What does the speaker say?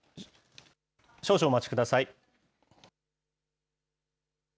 少々お待ちください。